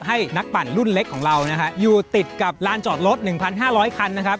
ให้นักปั่นรุ่นเล็กของเรานะฮะอยู่ติดกับลานจอดรถ๑๕๐๐คันนะครับ